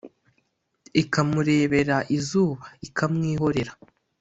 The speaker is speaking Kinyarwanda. ikamurebera izuba : ikamwihorera.